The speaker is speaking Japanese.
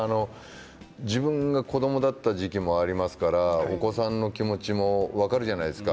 自分が子どもだった時期もありますからお子さんの気持ちも分かるじゃないですか。